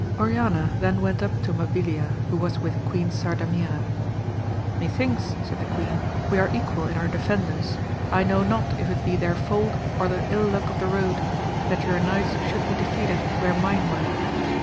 Oriana then went up to Mabilia who was with Queen Sardamira. Methinks, said the queen, we are equal in our defenders, I know not if it be their fault or the ill luck of the road, that your knights should be defeated where mine were.